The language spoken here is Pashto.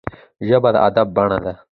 ژبه د ادب بڼه ده